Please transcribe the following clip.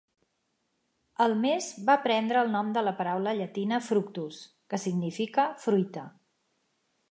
El mes va prendre el nom de la paraula llatina "fructus", que significa "fruita".